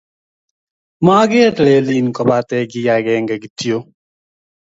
maager lelin kobate kiy akenge kityo